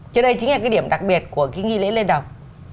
chứ đây chính là cái điểm đặc biệt của cái nghi lễ liên đồng